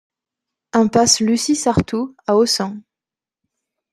Impasse Lucie Sarthou à Ossun